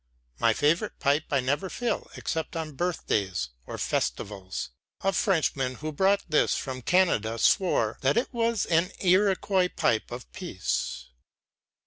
My favorite pipe I never fill except on birthdays or festivals. A Frenchman who brought this from Canada swore that it was an Iroquois pipe of peace.